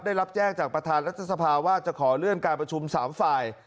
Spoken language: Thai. ได้รับแจ้งจากประธานรัฐสภาว่าจะขอเลื่อนการประชุม๓ฝ่าย